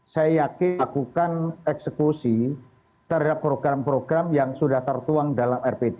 saya yakin lakukan eksekusi terhadap program program yang sudah tertuang dalam rp tiga